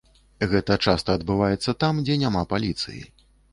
Гэта часта адбываецца там, дзе няма паліцыі.